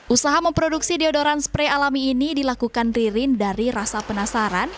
usaha memproduksi dedoran spray alami ini dilakukan ririn dari rasa penasaran